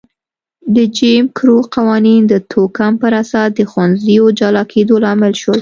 د جیم کرو قوانین د توکم پر اساس د ښوونځیو جلا کېدو لامل شول.